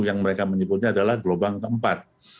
yang mereka menyebutnya adalah gelombang keempat